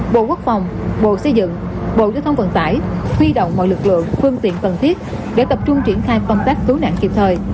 bộ quốc phòng bộ xây dựng bộ giao thông vận tải huy động mọi lực lượng phương tiện cần thiết để tập trung triển khai công tác cứu nạn kịp thời